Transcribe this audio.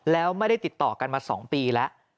แล้วไม่ได้ติดต่อกันมา๒ปีแล้ว